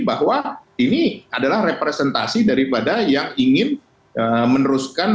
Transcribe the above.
bahwa ini adalah representasi daripada yang ingin meneruskan